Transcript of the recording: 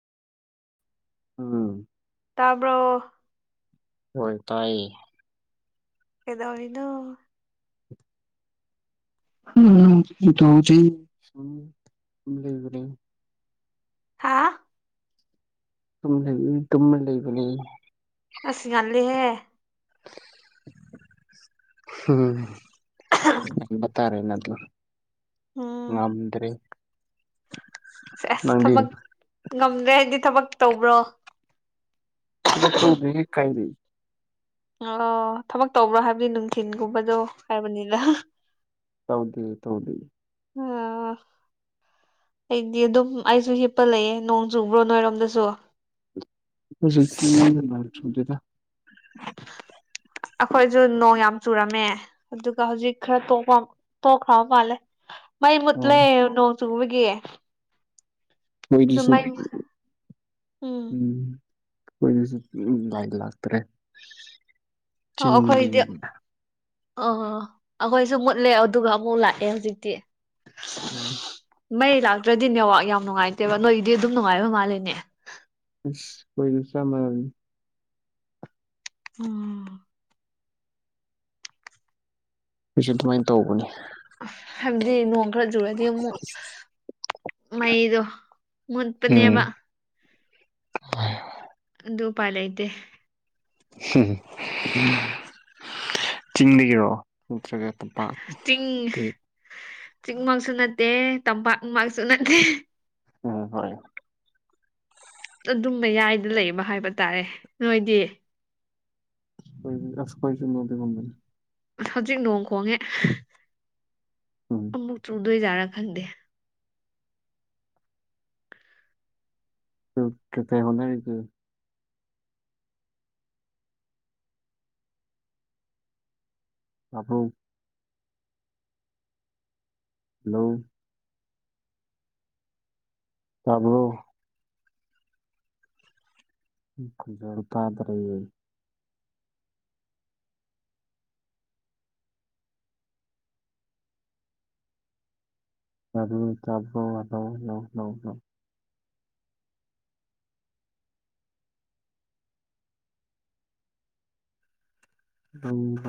ꯎꯝ ꯇꯥꯔꯕꯣ ꯍꯣꯏ ꯇꯥꯏ ꯑꯦꯗꯥꯩꯅꯣ ꯎꯝ ꯇ ꯂꯩ ꯍꯥꯥ ꯑꯗꯨ ꯂꯩ ꯇꯝ ꯂꯩꯕꯅꯦ ꯁꯠꯁꯤꯔꯤꯀꯜꯍꯦ ꯎꯝ ꯇꯥꯔꯦ ꯅ ꯎꯝ ꯉꯗ꯭ꯔꯦ ꯁ ꯑꯁ ꯊꯕꯛ ꯉꯝꯗ꯭ꯔꯦ ꯍꯥꯏꯗꯤ ꯊꯕꯛ ꯇꯧꯕ꯭ꯔꯣ ꯐꯛ ꯇ ꯎꯗ ꯈꯥꯏꯔꯤ ꯑꯣ ꯊꯕꯛ ꯇꯧꯕ꯭ꯔꯣ ꯍꯥꯏꯕꯗꯤ ꯅꯨꯡꯊꯤꯤꯟꯒꯨꯝꯕꯗꯣ ꯍꯥꯏꯕꯅꯤꯅ ꯇꯧꯗꯤ ꯇꯧꯗꯤ ꯑꯣ ꯑꯩꯗꯤ ꯑꯗꯨꯝ ꯑꯩꯁꯨ ꯍꯤꯞꯄ ꯂꯩꯌꯦꯦ ꯅꯣꯡ ꯆꯨꯕ꯭ꯔꯣ ꯅꯣꯏꯔꯣꯝꯗꯁꯨ ꯔꯗꯦ ꯑꯩꯈꯣꯏꯁꯨ ꯅꯣꯡ ꯌꯥꯝ ꯆꯨꯔꯝꯃꯦ ꯑꯗꯨꯒ ꯍꯧꯖꯤꯛ ꯈꯔ ꯇꯣꯛꯄ ꯇꯣꯛꯈ꯭ꯔꯕ ꯃꯥꯜꯂꯦ ꯃꯩ ꯃꯨꯠꯂꯦ ꯑꯣ ꯅꯣꯡ ꯆꯨꯕꯒꯤ ꯑꯗꯨ ꯍꯣꯏꯗꯨꯁꯨ ꯃꯩ ꯎꯝ ꯑꯩꯈꯣꯏꯅꯁꯨ ꯎ ꯥꯏꯗ ꯂꯥꯛꯇ꯭ꯔꯦ ꯑꯣ ꯑꯩꯈꯣꯏꯗꯤ ꯆꯤꯡꯗꯒꯤꯅꯤꯅ ꯑꯣ ꯑꯩꯈꯣꯏꯁꯨ ꯃꯨꯠꯂꯦ ꯑꯗꯨꯒ ꯑꯃꯨꯛ ꯂꯥꯛꯑꯦ ꯍꯧꯖꯤꯛꯇꯤ ꯎꯝ ꯃꯩ ꯂꯥꯛꯇ꯭ꯔꯗꯤ ꯅꯦꯋꯥꯛ ꯌꯥꯝ ꯅꯨꯡꯉꯥꯏꯇꯦꯕ ꯅꯣꯏꯗꯤ ꯑꯗꯨꯝ ꯅꯨꯡꯉꯥꯏꯕ ꯃꯥꯂꯦꯅꯦ ꯀꯣꯏ ꯆꯃ ꯎꯝ ꯑꯩꯁꯨ ꯑꯗꯨꯃꯥꯏꯅ ꯇꯧꯕꯅꯤ ꯍꯥꯏꯕꯗꯤ ꯅꯣꯡ ꯈꯔ ꯆꯨꯔꯗꯤ ꯑꯃꯨꯛ ꯃꯩꯗꯨ ꯎꯝ ꯃꯟꯄꯅꯤꯕ ꯑꯗꯨꯗꯨꯄꯥꯥꯏꯂꯥꯏꯇꯦ ꯎ ꯆꯤꯡꯗꯒꯤꯔꯣ ꯅꯠꯇ꯭ꯔꯒ ꯇꯝꯄꯥꯛ ꯆꯤꯡ ꯆꯤꯡꯃꯛꯁꯨ ꯅꯠꯇꯦ ꯇꯝꯄꯥꯛꯃꯛꯁꯨ ꯅꯠꯇꯦ ꯎꯝ ꯍꯣꯏ ꯑꯗꯨ ꯃꯌꯥꯏꯗ ꯂꯩꯕ ꯍꯥꯏꯕ ꯇꯥꯔꯦ ꯅꯣꯏꯗꯤ ꯀꯣꯏ ꯑꯁ ꯀꯣꯏ ꯆꯨꯝꯃꯗꯤ ꯃꯅꯤ ꯍꯧꯖꯤꯛ ꯅꯣꯡ ꯈꯣꯡꯉꯦ ꯎꯝ ꯑꯃꯨꯛ ꯆꯨꯗꯣꯏꯖꯥꯠꯔꯥ ꯈꯪꯗꯦ ꯇꯨ ꯀꯊ ꯍꯅꯅꯤ ꯇꯨ ꯑꯕꯧ ꯍꯂꯣ ꯇꯕꯨ ꯈꯨꯖꯔ ꯇꯗ ꯂꯩꯔꯤꯦ ꯑꯗꯨ ꯆꯥ꯭ꯔ ꯉ ꯂꯧ ꯂꯗ ꯍ ꯍ